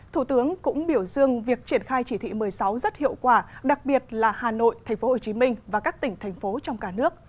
thủ tướng cũng biểu dương việc triển khai chỉ thị một mươi sáu rất hiệu quả đặc biệt là hà nội tp hcm và các tỉnh thành phố trong cả nước